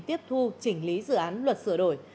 tiếp thu chỉnh lý dự án luật sửa đổi